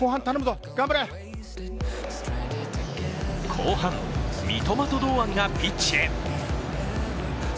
後半、三笘と堂安がピッチへ。